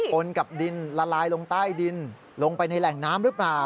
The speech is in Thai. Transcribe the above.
ปนกับดินละลายลงใต้ดินลงไปในแหล่งน้ำหรือเปล่า